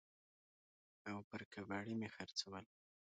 او پر کباړي مې خرڅول.